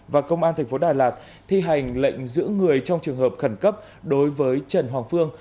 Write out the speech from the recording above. và công an tp đà lạt thi hành lệnh giữ người trong trường hợp khẩn cấp đối với trần hoàng phương